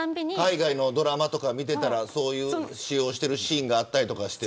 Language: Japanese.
海外ドラマとか見てたらそういう使用しているシーンがあったりとかして。